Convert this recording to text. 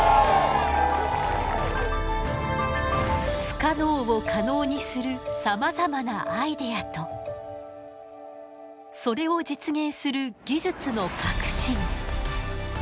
不可能を可能にするさまざまなアイデアとそれを実現する技術の革新。